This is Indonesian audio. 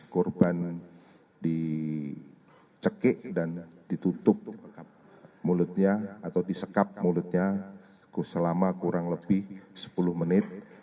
korban dicekik dan ditutup mulutnya atau disekap mulutnya selama kurang lebih sepuluh menit